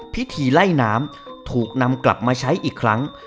พิธีไล่น้ำถูกนำกลับมาใช้อีกครั้ง